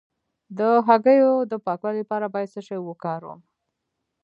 د هګیو د پاکوالي لپاره باید څه شی وکاروم؟